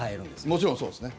もちろんそうですね。